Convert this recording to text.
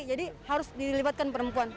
jadi harus dilibatkan perempuan